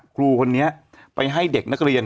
ครูคนนี้ไปให้เด็กนักเรียน